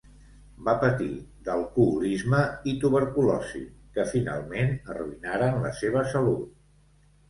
Va patir d'alcoholisme i tuberculosi, que finalment arruïnaren la seva salut.